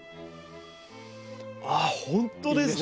あほんとですね。